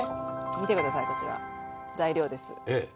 見て下さいこちら材料です。